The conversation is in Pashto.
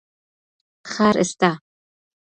ښار سته.